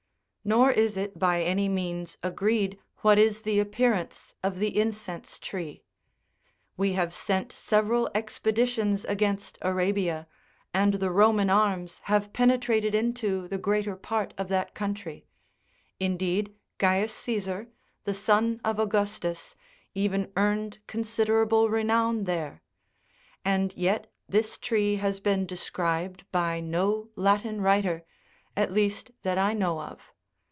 Nor is it by any means agreed what is the appearance of the incense tree. We have sent several expeditions against Arabia, and the Eoman arms have penetrated into the greater part of that country ; indeed, Caius Csasar,97 the son of Augus tus, even earned considerable renown there ; and yet this tree has been described by no Latin writer, at least that I know of.